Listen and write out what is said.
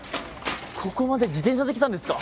ここまで自転車で来たんですか？